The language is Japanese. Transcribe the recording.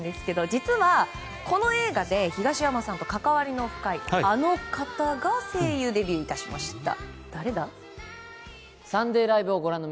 実は、この映画で東山さんと関わりの深いあの方が声優デビューいたしました。